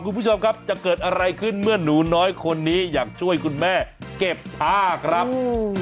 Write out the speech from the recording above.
คุณผู้ชมครับจะเกิดอะไรขึ้นเมื่อหนูน้อยคนนี้อยากช่วยคุณแม่เก็บผ้าครับ